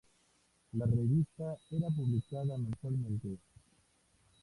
La revista era publicada mensualmente.